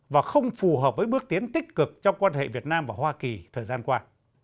và không phù hợp với bước tiến tích cực trong quan hệ việt nam và hoa kỳ thời gian qua